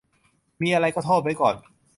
มีอะไรก็โทษไว้ก่อน